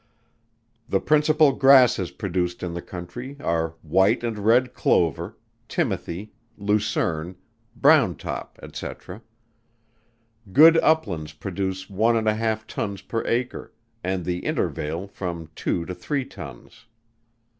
The principal grasses produced in the country, are white and red clover, timothy, lucerne, browntop, &c. Good uplands produce one and a half tons per acre, and the intervale from two to three tons.